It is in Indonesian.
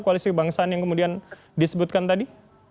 koalisi kebangsaan yang kemudian disebutkan tadi